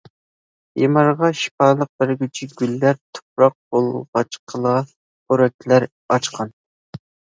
بىمارغا شىپالىق بەرگۈچى گۈللەر، تۇپراق بولغاچقىلا پورەكلەر ئاچقان.